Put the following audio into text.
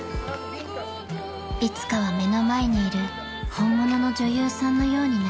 ［いつかは目の前にいる本物の女優さんのようになりたい］